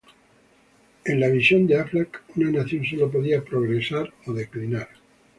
En la visión de Aflaq, una nación solo podía "progresar" o "declinar".